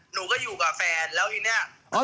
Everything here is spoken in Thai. หนูก็อยู่กับแฟนแล้วทีนี้